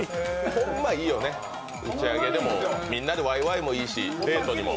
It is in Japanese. ホンマいいよね、打ち上げでもみんなでワイワイもいいし、デートでも。